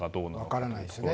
分からないですね。